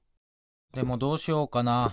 でもどうしようかな。